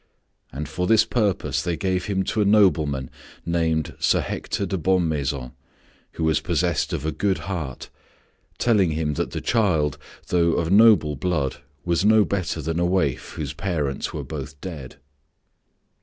And for this purpose they gave him to a nobleman named Sir Hector de Bonmaison, who was possessed of a good heart, telling him that the child, though of noble blood, was no better than a waif whose parents were both dead.